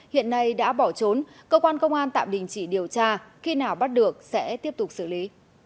hiện nay đã bỏ trốn cơ quan công an tạm đình chỉ điều tra khi nào bắt được sẽ tiếp tục xử lý